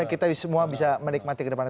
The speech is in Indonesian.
kita semua bisa menikmati ke depan